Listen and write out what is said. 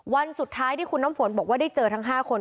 วันสุดท้ายที่คุณน้ำฝนบอกว่าได้เจอทั้ง๕คน